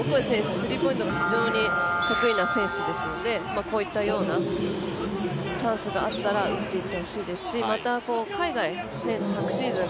スリーポイントが非常に得意な選手ですのでこういったようなチャンスがあったら打っていってほしいですしまた昨シーズン